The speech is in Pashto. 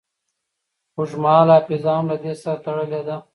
اوږدمهاله حافظه هم له دې سره تړلې ده.